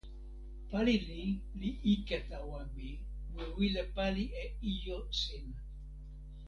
pali ni li ike tawa mi. mi wile pali e ijo sin.